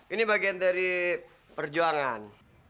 ini bagian dari perjuangan